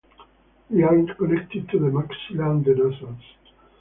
They are connected to the maxilla and the nasals.